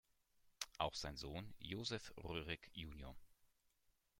Auch sein Sohn Josef Röhrig jun.